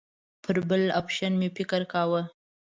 پر بل اپشن مې فکر کاوه.